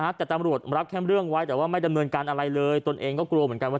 แต่ตำรวจรับแค่เรื่องไว้แต่ว่าไม่ดำเนินการอะไรเลยตนเองก็กลัวเหมือนกันว่า